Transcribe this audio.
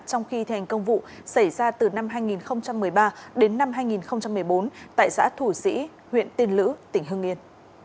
trong khi thành công vụ xảy ra từ năm hai nghìn một mươi ba đến năm hai nghìn một mươi bốn tại xã thủ sĩ huyện tiên lữ tỉnh hương yên